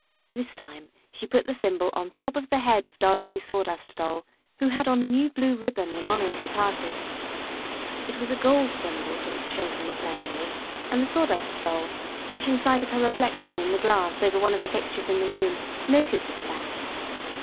This time she put the thimble on top of the head of Dorothy's Sawdust Doll, who had on a new blue ribbon in honor of the party. It was a gold thimble that the children were playing with, and the Sawdust Doll, catching sight of her reflection in the glass over one of the pictures in the room, noted this fact.